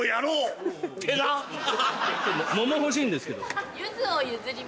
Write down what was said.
桃欲しいんですけど。